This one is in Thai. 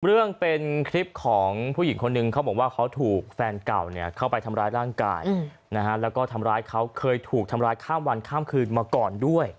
เรื่องเป็นคลิปของผู้หญิงคนหนึ่งเขาบอกว่าเขาถูกแฟนเก่าเนี่ยเข้าไปทำร้ายร่างกายนะฮะแล้วก็ทำร้ายเขาเคยถูกทำร้ายข้ามวันข้ามคืนมาก่อนด้วย